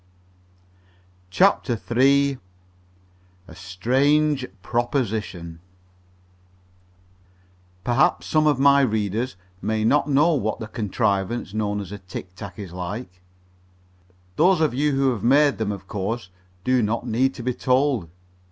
CHAPTER III A STRANGE PROPOSITION Perhaps some of my readers may not know what the contrivance known as a "tic tac" is like. Those of you who have made them, of course, do not need to be told.